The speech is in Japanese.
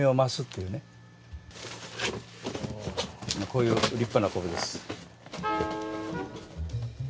こういう立派な昆布です。